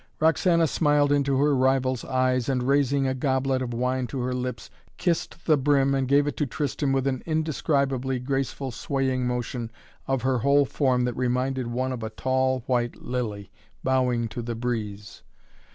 Roxana smiled into her rival's eyes and, raising a goblet of wine to her lips, kissed the brim and gave it to Tristan with an indescribably graceful swaying motion of her whole form that reminded one of a tall white lily, bowing to the breeze.